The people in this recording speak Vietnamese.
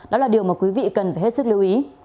đó là điều mà quý vị cần phải hết sức lưu ý